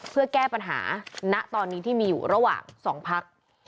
เพื่อแก้ปัญหาณตอนนี้ที่มีอยู่ระหว่าง๒พัก